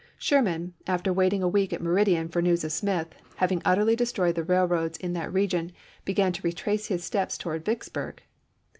Sherman, after waiting a week at Meridian for news of Smith, having utterly destroyed the rail roads in that region, began to retrace his steps towards Vicksburg.